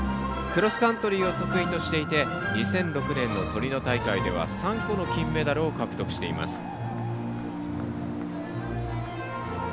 クロスカントリーを得意としていて２００６年のトリノ大会では３個の金メダルを獲得しています。